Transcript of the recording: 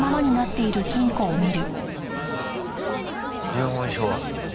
遺言書は？